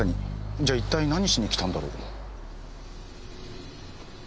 じゃあ一体何しに来たんだろう？